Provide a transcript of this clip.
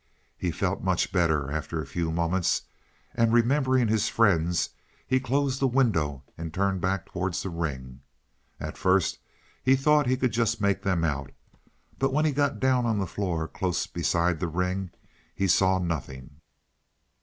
He felt much better after a few moments; and remembering his friends, he closed the window and turned back towards the ring. At first he thought he could just make them out, but when he got down on the floor close beside the ring, he saw nothing.